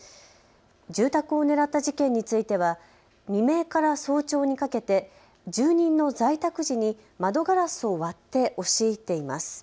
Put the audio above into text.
住宅を狙った事件については未明から早朝にかけて住人の在宅時に窓ガラスを割って押し入っています。